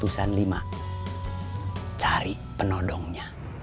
sama cari penodongnya